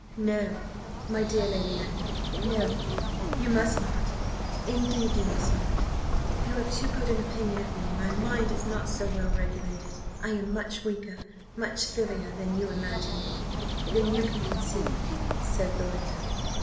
"No, my dear Lady Anne! no; you must not indeed you must not. You have too good an opinion of me my mind is not so well regulated I am much weaker, much sillier, than you imagine than you can conceive," said Belinda.